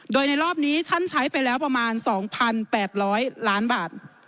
โดยในรอบนี้ท่านใช้ไปแล้วประมาณ๒๘๐๐ล้านบาท